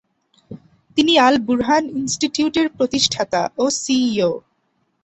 তিনি আল-বুরহান ইনস্টিটিউটের প্রতিষ্ঠাতা ও সিইও।